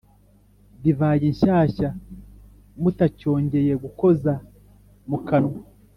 divayi nshyashya mutacyongeye gukoza mu kanwa!